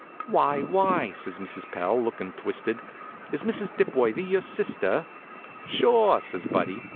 "Why, why!" says Mrs. Pell, lookin' twisted, "is Mrs. Dipworthy your sister?" "Sure," says Buddy.